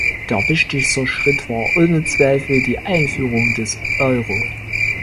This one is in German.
Der wichtigste Schritt war ohne Zweifel die Einführung des Euro.